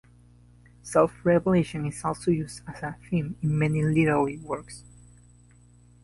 Self-Revelation is also used as a theme in many literary works.